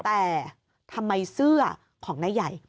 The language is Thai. แต่ทำไมเสื้อของนายใหญ่